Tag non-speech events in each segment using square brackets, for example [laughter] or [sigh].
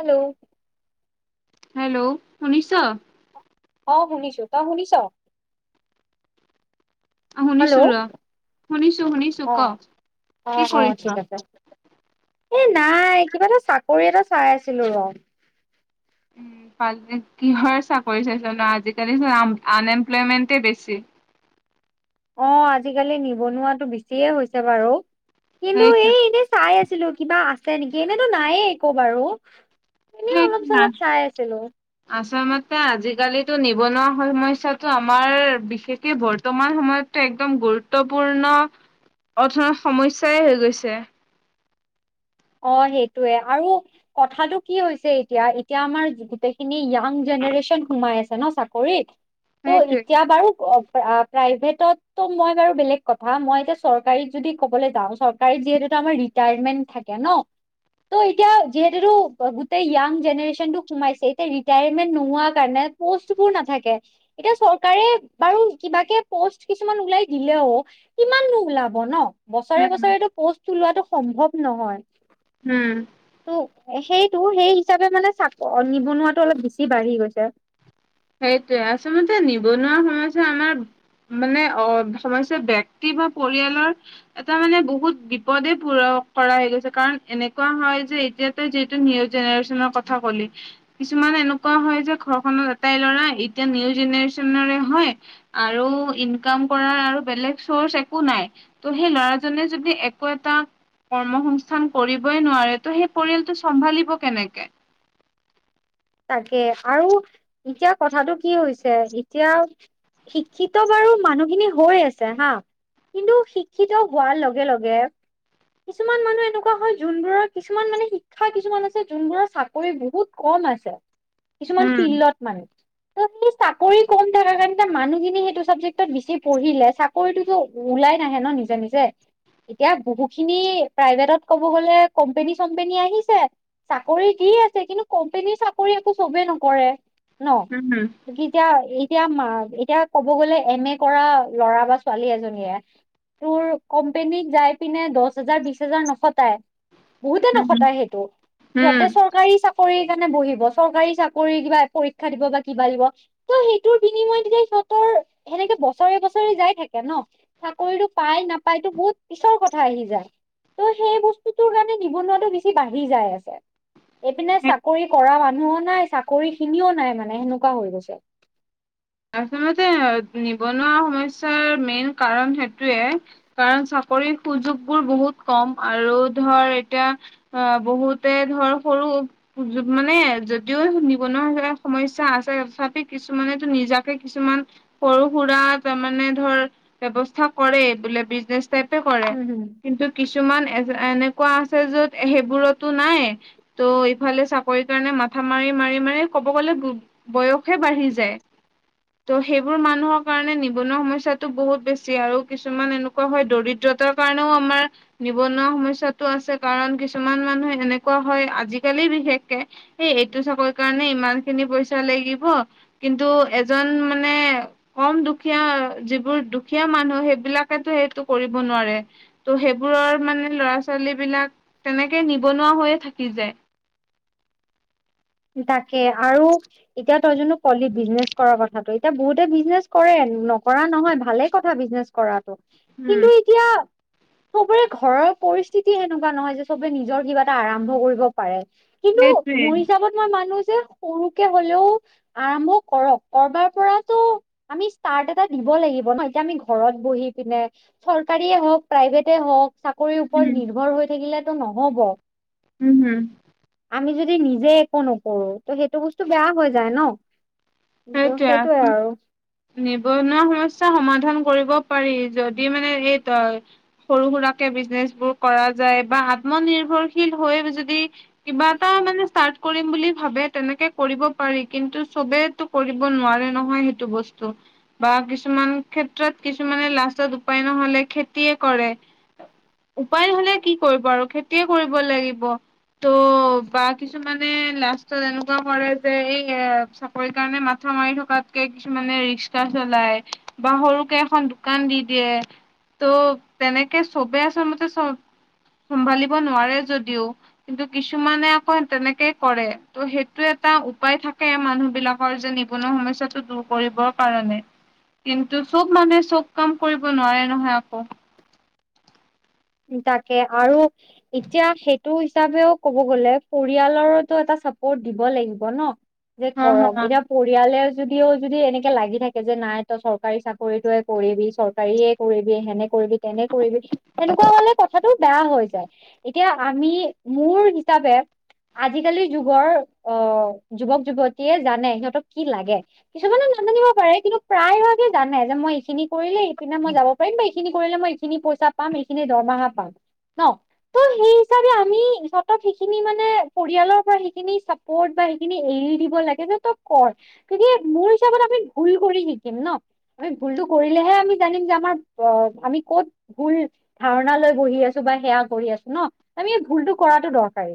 Hello. Hello শুনিছ? অহ, শুনিছোঁ। তই শুনিছ? হেল্ল' শুনিছো ৰ শুনিছো শুনিছো ক অহ', কি অহ-অহ' কৰিছ? ঠিক আছে। এ নাই কিবা এটা চাকৰি এটা চাই আছিলোঁ ৰ'। [unintelligible] কিহৰ চাকৰি চাইছ ন' আজিকালি আন-আনএমপ্লয়মেণ্টে বেছি। অহ, আজিকালি নিবনুৱাটো বেছিয়ে হৈছে বাৰু কিন্তু এ সেইটোৱে এনেই চাই আছিলোঁ কিবা আছে নেকি, এনেতো নাইয়ে একো বাৰু। এনেই সেইটো না অলপ-চলপ চাই আছিলোঁ। আচলতে আজিকালিতো নিবনুৱা সমস্যটো আমাৰ বিশেষকে বৰ্তমান সময়ত একদম গুৰুত্বপূৰ্ণ অধন সমস্যয়েই হৈ গৈছে। অহ, সেইটোৱে আৰু কথাটো কি হৈছে এতিয়া, এতিয়া আমাৰ গোটেইখিনি য়াং জেনেৰেচন সোমাই আছে ন' চাকৰিত। কৰিত ত' সেইটোৱে এতিয়া বাৰু অ', প্ৰাইভেটতো মই বাৰু বেলেগ কথা। মই এতিয়া চৰকাৰীত যদি ক'বলৈ যাওঁ চৰকাৰীত যিহেতু আমাৰ, ৰিটাইমেণ থাকে ন। ত' এতিয়া যিহেতুটো গোটেই য়াং জেনেৰেশ্যন টো সোমাইছে এতিয়া ৰিটায়াৰমেন্ট নোহোৱা কাৰণে, পোষ্টবোৰ নাথাকে। এতিয়া চৰকাৰে বাৰু কিবাকে পষ্ট কিছুমান ওলাই দিলেও। কিমাননো ওলাব ন উম বছৰে-বছৰেটো পষ্টটো ওলোৱাটো সম্ভৱ নহয়। উম, ত সেইটো সেই হিচাপে মানে চা নিবনুৱাতটো অলপ বেছি বাঢ়ি গৈছে। সেইটোৱে আচলতে নিবনুৱা সময়স্যা আমাৰ মানে অ, সমযস্য ব্যক্তি বা পৰিয়ালৰ এটা মানে বহুত বিপদ প পুৰা কৰা হৈ গৈছে কাৰণ এনেকুৱা হয় যে এতিয়া, যিহটো নিউ জেনেৰেচনৰ কথা ক'লি কিছুমান এনেকুৱা হয় যে ঘৰখনত, তাই ল'ৰা এতিয়া নিউ জেনেৰেশ্যনৰে হয়। আৰু ইনকাম কৰাৰ আৰু বেলেগ চৰ্চ একো নাই। ত' সেই ল'ৰাজনে যদি একো এটা কৰ্মসস্থান কৰিবই নোৱাৰে ত' সেই পৰিয়ালটো চম্ভালিব কেনেকে। তাকে আৰু এতিয়া কথাটো কি হৈছে এতিয়া শিক্ষিত বাৰু মানুহখিনি হৈ আছে হা? কিন্তু শিক্ষিত হোৱাৰ লগে-লগে, কিছুমান মানুহ এনেকুৱা হয় যোনবোৰৰ কিছুমান মানে শিক্ষা কিছুমান আছে, যোনবোৰৰ চাকৰি বহুত কম আছে। কিছুমান উম ফিল্ডত মানে। ত সেই [inaudible] চাকৰি কম থকা কাৰণ মানুহখিনি সেইটো চাবজেক্টত বেছি পঢ়িলে চাকৰিতটোতো, ওলাই নাহে ন নিজে-নিজে, এতিয়া বহুখিনি প্ৰাইভেটত কব গলে কোম্পেনী চম্পেনী আহিছে। চাকৰি দি আছে কিন্তু কোম্পানীৰ চা কৰি একো চবেই নকৰে ন উম এতিয়া, এতিয়া মা এতিয়া কব গ'লে এম এ কৰা ল'ৰা বা ছোৱালী এজনীয়ে, তোৰ কোম্পনীত যাই পিনে দহ হাজাৰ বিশ হোজাৰ নফটায়। বহুতে উম নখটায় সেইটো সিহতে চৰকাৰী চাকৰি কাৰণে বহিব। চৰকাৰী চাকৰি কিবা পৰীক্ষা দিব বা কিবা দিব। ত সেইটোৰ বিনিময়ত তেতিয়া সিহঁতৰ সেনেকে বছৰে-বছৰে যাই থাকে ন। চাকৰিতটো পাই নাপায়তো বহুত পিছৰ কথা আহি যায়। ত' সেই বস্তুতৰ কাৰণে নিবনুৱাটো বেছি বাঢ়ি যায় আছে। এইপিনে উম চাকৰি কৰা মানুহো নাই চাকৰি খিনিও নাই মানে সেনেকুৱা হৈ গৈছে। আচলতে নিবনুৱা সমস্যাৰ মেইন কাৰণ সেইটোৱে। কাৰণ চাকৰি সুযোগ বোৰ বহুত কম আৰু ধৰ এতিয়া, অ, বহুতে ধৰ সৰু মানে যদিও নিবনুৱা সমস্যা আছে তথাপি কিছুমানেতো নিজা, কিছুমান সৰু সুৰা ত মানে ধৰ ব্যৱস্থা কৰে বোলে বিজনেজ। প কৰে উম হুম কিন্তু কিছুমান এ এনেকুৱা আছে যত সেইবোৰতো নাই। ত' ইফালে চাকৰি কাৰণে মাথা মাৰি মাৰি মাৰি ক'ব গলে বয়সহে বাঢ়ি যায়। ত' সেইবোৰ মানুহৰ কাৰণে নিবনুৱা সমস্য়াতটো বহুত বেছি আৰু কিছুমান এনেকুৱা হয় দৰিদ্ৰ যত কাৰণেও আমাৰ নিবনুৱা সমস্যাতটো আছে কাৰণ কিছুমান মানুহে এনেকুৱা হয় আজিকালি বিশেষকে এই এইটো চাকৰি কাৰণে ইমান খিনি পইচা লাগিব কিন্তু এজন মানে কম দুখীয়া যিবোৰ দুখীয়া মানুহ সেইবিলাকেতো সেইটো কৰিব নোৱাৰে। ত' সেইবোৰৰ মানে ল'ৰা ছোৱালী বিলাক তেনেকে নিবনুৱা হৈয়ে থাকি যায়। তাকে আৰু। এতিয়া তই জো কলি বিজনেছ কৰাৰ কথাটো, এতিয়া বহুতে বিজনেচ কৰে নকৰা নহয়, ভালে কথা বিজনেছ কৰাটো উম। কিন্তু, এতিয়া সবৰে ঘৰৰ পৰিস্থিতি সেনেকুৱা নহয় যে, সবে নিজৰ কিবা এটা আৰম্ভ কৰিব পাৰে। কিন্তু সেইটোৱে মোৰ হিচাপত মই মানো যে, সৰুকে হ'লেও আৰম্ভ কৰক, কৰবাৰ পৰাতো আমি ষ্টাৰ্ট এটা দিব লাগিব ন' এতিয়া আমি ঘৰত বহি পিনে চৰকাৰীয়ে হওক, প্ৰাইভেট হওক চাকৰিৰ ওপৰত উম, নিৰ্ভৰ হৈ থাকিলেতো ন'হব। উম, হুম। আমি যদি নিজে একো নকৰো ত' সেইটো বস্তু বেয়া হৈ যায় ন'। কিন্তু সেইটোৱে। সেইটোয়ে আৰু। নিবনুৱা সমস্যা সমাধান কৰিব পাৰি, যদি মানে এই ত সৰু-সুৰাকে বিজনেচ বোৰ কৰা যায়, বা আত্মনিৰ্ভৰশীল হৈ যদি কিবা এটা মানে ষ্টাৰ্টট কৰিম বুলি ভাবে তেনেকে কৰিব পাৰি, কিন্তু চবে কৰিব নোৱাৰে ন'হয়, সেইটো বস্তু। বা কিছুমান ক্ষেত্ৰত কিছুমানে লাষ্টত উপায় ন'হলে খেতিয়ে কৰে। উপায় ন'হলে কি কৰিব আৰু খেতিয়ে কৰিব লাগিব। ত' বা কিছুমানে লাষ্টত এনেকুৱা কৰে যে এই এ চাকৰি কাৰণে, মাথা মাৰি থকাতকে কিছুমানে ৰিক্সা চলাই। বা সৰুকে এখন দোকান দি দিয়ে। ত' তেনেকে চবে আচলতে চব চম্ভালিব নোৱাৰে যদিও। কিন্তু কিছুমানে আকৌ তেনেকেই কৰে ত' সেইটো এটা উপায় থাকে মানুহ বিলাকৰ যে, নিবনুৱা সমস্যাটো দূৰ কৰিবৰ কাৰণে। কিন্তু চব মানুহে চব কাম কৰিব নোৱাৰে ন'হয়, আকৌ। তাকে আৰু এতিয়া সেইটো হিচাপেও ক'ব গলেও পৰিয়ালৰো এটা চাপোৰ্ট দিব লাগিব ন'? যে হা কৰক হা এতিয়া পৰিয়ালে যদিও যদি এনেকে লাগি থাকে যে নাই তই চৰকাৰী চাকৰিতয়ে কৰিবি চৰকাৰীয়ে কৰিবি সেনে কৰিবি তেনে কৰিবি। তেনেকুৱা হলে কথাটো বেয়া হৈ যায়, এতিয়া আমি মোৰ হিচাপে আজিকালি যুগৰ আহ যুৱক-যুৱতীয়ে জানে সিহঁতক কি লাগে। কিছুমানে নাজানিব পাৰে কিন্তু, প্ৰায়ভাগে জানে যে মই এইখিনি কৰিলে পিনে মই যাব পাৰিম, এইখিনি কৰিলে মই এইখিনি পইচা পাম এইখিনি দৰমহা পাম ন'? ত' সেই হিচাপে আমি সিহতক সেইখিনি মানে, পৰিয়ালৰ পৰা সেইখিনি চাপৰ্ট বা সেইখিনি এৰি দিব লাগে যে, তই কৰ। গতিকে মোৰ হিচাপত আমি ভুল কৰি শিকিম ন'? আমি ভুলতটো কৰিলেহে আমি জানিম যে, আমাৰ অ', আমি ক'ত ভুল ধাৰণা লৈ বহি আছো, বা সেয়া কৰি আছো ন' আমি এই ভুলতো কৰাটো দৰকাৰী।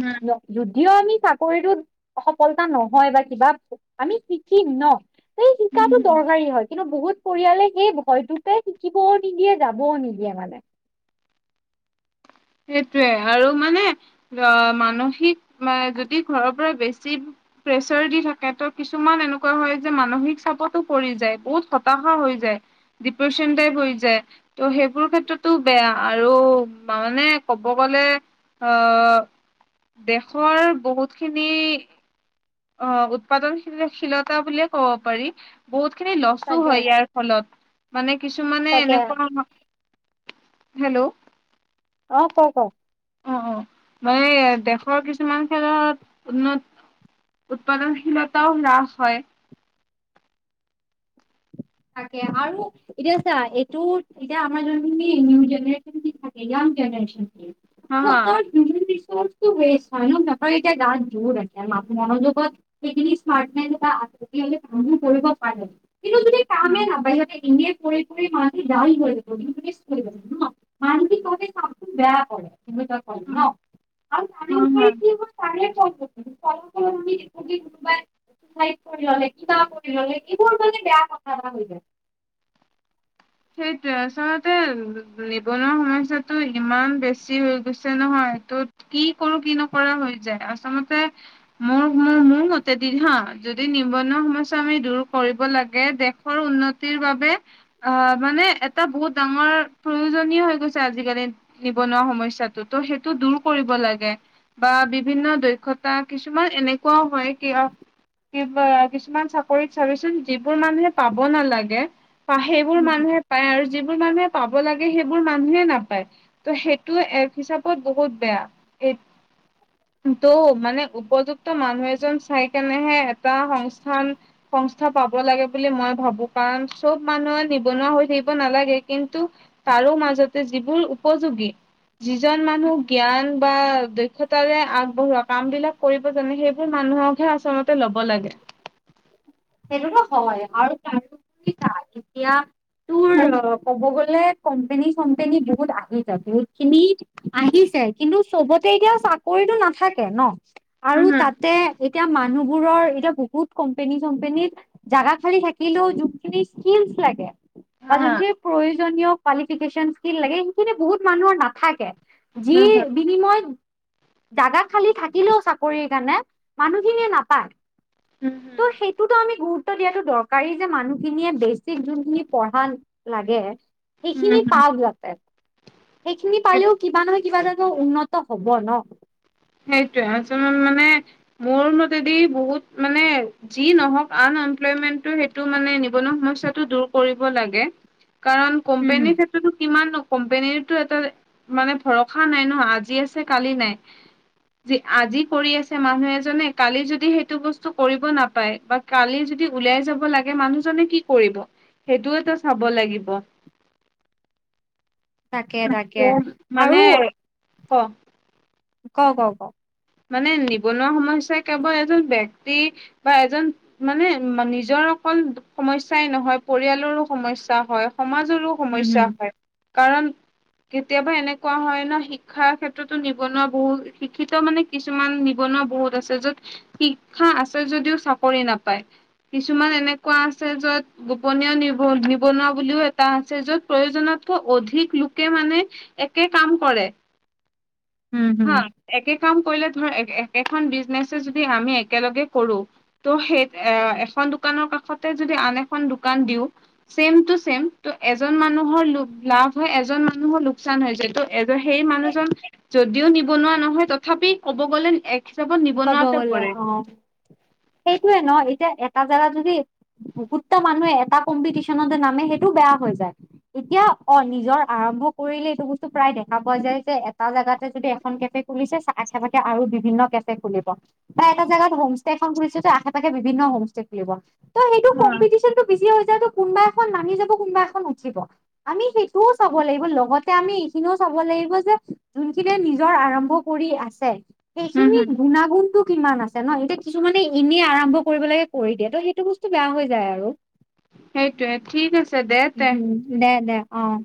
উম যদিও আমি চাকৰিটোত সফলতা নহয় বা কিবা আমি শিকিম ন'? সেই হম শিকাটো হম দৰকাৰী হয়, কিন্তু বহুত পৰিয়ালে সেই ভয়টোতে শিকিবও নিদিয়ে যাবও নিদিয়ে মানে। সেইটোৱে আৰু মানে অ', মানসিক যদি ঘৰৰ পৰা বেছি প্ৰেচাৰ দি থাকে ত' কিছুমান এনেকুৱা হয়, যে মানসিক চাপতো পৰি যায় বহুত হতাশা হৈ যায়। ডিপ্ৰেশচন টাইপ হৈ যায়, ত' সেইবোৰ ক্ষেত্ৰতো বেয়া আৰু মানে ক'ব গ'লে আহ দেশৰ বহুত খিনি অ', উৎপাদনশীলতা বুলিয়ে কব পাৰি। বহুত খিনি লছো তাকে হয়, ইয়াৰ ফলত মানে কিছুমানে তাকে এনেকুৱা হেল্ল'? অ', ক, ক। অ', অ', মানে দেশৰ কিছুমান ক্ষেত্ৰত উন্নত উৎপাদনশীলতাও হ্ৰাস হয়। তাকে আৰু এতিয়া ছা এইটো এতিয়া আমাৰ নিউ জেনেৰেচন থাকে ইয়াং জেনেৰেচন। হা হা সিহঁতৰ [unintelligible] হয় ন সিহঁতৰ এতিাই গ জোৰ ৰাখে মনোযোগত সেইখিনি স্মাৰ্টনেচ বা এটা তেতিয়াহলে কৰিব পাৰে কিন্তু যদি কামে উম নাবাৰ হেকে এনেয়েই পৰি পৰি মানুহ টো ডাউন হৈ গল ন। মানসিকভাৱে কামটো বেয়া কৰে কি এ কৰে উম, ন আৰু তাৰে উপৰি কি হয়। চে কিাই [unintelligible] ললে কিবা ললে এইবোৰ মানে বেয়া কথা এটা হৈ যায়। সেইটোৱে আচলতে নিবনুৱা সমস্যাটো ইমান বেছি হৈ গৈছে নহয় এইটোত, কি কৰো কি নকৰোঁ হৈ যায়। আচলতে মোৰ-মোৰ-মোৰ মতে দিন হা, যদি নিবনুৱা সমস্যা আমি দূৰ কৰিব লাগে দে। দেশৰ উন্নতিৰ বাবে অ, মানে এটা বহুত ডাঙৰ প্ৰয়োজনীয় হৈ গৈছে আজিকালি। নিবনুৱা সমস্যাটো ত' সেইটো দূৰ কৰিব লাগে। বা বিভিন্ন দক্ষতা কিছুমান এনেকুৱাও হয় কিয়? কিছুমান চাকৰিত চাবিচোন যিবোৰ মানুহে পাব নালাগে। সেইবোৰ উম, মানুহে পায় আৰু যিবোৰ মানুহে পাব লাগে সেইবোৰ মানুহে নাপায়। ত' সেইটো এক হিচাপত বহুত বেয়া এ ত' মানে উপযুক্ত মানুহ এজন চাই কেনেহে এটা সংস্থান সংস্থা পাব লাগে বুলি মই ভাবো, কাৰণ চব মানুহে নিবনুৱা হৈ থাকিব নালাগে কিন্তু তাৰো মাজতে যিবোৰ উপযোগী, যিজন মানুহ জ্ঞান বা দক্ষতাৰে আগবঢ়োৱা কাম বিলাক কৰিব জানে সেইবোৰ মানুহকহে আচলতে ল'ব লাগে। সেইটোহয় আৰু ত এতিয়া তোৰ ক'ব গ'লে কম্পেনী-চম্পেনী বহুত আহি বহুত খিনি, আহিছে কিন্তু চবতে এতিয়া চাকৰিটো নাথাকে ন। উম আৰু হম তাতে এতিয়া মানুহবোৰৰ এতিয়া বহুত, কম্পেনী চম্পেনী জাগা খালী থাকিলেও যোনখিনি স্কিল লাগে হা বা হা যোনখিনি প্ৰয়োজনীয় কোৱালিফকেশন স্কীল লাগে সেইখিনি বহুত মানুহৰ নাথাকে। যি উম হম বিনিময় জাগা খালি থাকিলেও চাকৰিৰ কাৰণে মানুহখিনিয়ে নাপায়। উম হম ত' সেইটোটো আমি গুৰুত্ব গুৰুত্ব দিয়াটো দৰকাৰী যে মানুহখিনিয়ে বেচিক যোনখিনি পঢ়া লাগে। উম সেইখিনি হম পাওক যাতে। সেইখিনি সেই পালেও কিবা নহয় কিবা এ উন্নত হব ন। সেইটোয়ে আচল মানে মোৰ মতেদি বহুত মানে যি নহওক আন এমপ্লয়মেন্টটো সেইটো মানে নিবনুৱা সমস্যাটো দূৰ কৰিব লাগে। কাৰণ উম হুম কম্পেনী চে কিমান কোম্পনীৰতো এটা মানে ভৰসা নাই ন আজি আছে কালি নাই। আজি কৰি আছে মানুহ এজনে কালি যদি সেইটো বস্তু কৰিব নাপায় বা, কালি যদি উওলাই যাব লাগে মানুহজনে কি কৰিব সেইটোয় তো চাব লাগিব। তাকে তাকে আৰু মানে ক? ক ক ক? মানে নিবনুৱা সমস্যা কেৱল এজন ব্যক্তি বা এজন মানে নিজৰ অকল সমস্যাই নহয় পৰিয়ালৰো সমস্যা হয় সমাজৰো, উম সমস্যা হুম হয়। কাৰণ কেতিয়াবা এনেকুৱা হয় ন, শিক্ষাৰ ক্ষেত্ৰতো নিবনুৱা বহু শিক্ষিত মানে কিছুমান নিবনুৱা বহুত আছে য'ত শিক্ষা আছে যদিও চাকৰি নাপায়। কিছুমান এনেকুৱা আছে য'ত, গোপনীয় নিব-নিবনুৱা বুলিও এটা আছে য'ত প্ৰয়োজনতকৈ অধিক লোকে মানে একে কাম কৰে। হুম, হুম। হা একে কাম কৰিলে ধৰ, একেখন বিজনেচ যদি আমি একেলগে কৰোঁ ত' সেই এ, এখন দোকানৰ কাষতে যদি আন এখন দোকান দিও ছেম টু ছেম ত' এজন মানুহৰ লোভ লাভ হয়, এজন মানুহৰ লোকচান হয় যিহেতু এজন সেই মানুহজন যদিও নিবনুৱা নহয় তথাপি ক'ব গ'লে এক হিচাপত ক'ব নিবনুৱাতে গ'লে পৰে। অ সেইটোয়ে ন' এতিয়া এটা জেগাত যদি বহুতটা মানুহে এটা কম্পিটিচনতে নামে সেইটোও বেয়া হৈ যায়। এতিয়া অ' নিজৰ আৰম্ভ কৰিলে এইটো বস্তু প্ৰায় দেখা পোৱা যায় যে এটা জেগাতে যদি এখন কেফে খুলিছে, আশে পাশে আৰু বিভিন্ন তে খুলিব, বা এটা জোগাত হোমষ্টে এখন খুলিছে ত' আশে পাশে বিভিন্ন হ'মষ্টে খুলিব। ত' সেইটো হা, কম্পিটিচনটো বিজি হৈ যায়, ত' কোনোবা এখন নামি যাব কোনোবা এখন উঠিব। আমি সেইটোও চাব লাগিব লগতে আমি এইখিনিও চাব লাগিব যে যোনখিনি নিজৰ আৰম্ভ কৰি আছে হম সেইখিনিত হম গুণাগুণটো কিমান আছে ন' এতিয়া কিছুমানে এনেই আৰম্ভ কৰিবলৈকে কৰি দিয়ে, ত' সেইটো বস্তু বেয়া হৈ যায় আৰু। সেইটোৱে, ঠিক আছে দে উম তে। হুম। দে দে, অ'।